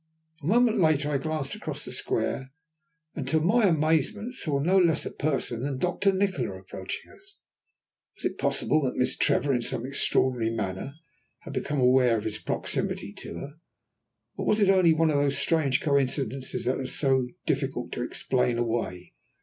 A moment later I glanced across the square, and to my amazement saw no less a person than Doctor Nikola approaching us. Was it possible that Miss Trevor, in some extraordinary manner, had become aware of his proximity to her, or was it only one of those strange coincidences that are so difficult to explain away?